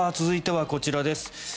続いてはこちらです。